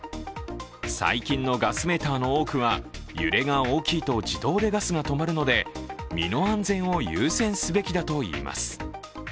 最近のガスメーターの多くは揺れが大きいと自動でガスが止まるので身の安全を優先すべきだといいます。